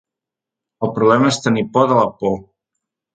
El problema és tenir por de la por.